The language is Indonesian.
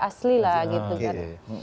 asli lah gitu kan